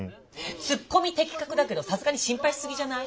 ツッコミ的確だけどさすがに心配しすぎじゃない？